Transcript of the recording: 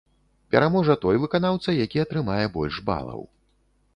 Пераможа той выканаўца, які атрымае больш балаў.